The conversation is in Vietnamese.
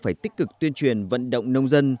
phải tích cực tuyên truyền vận động nông dân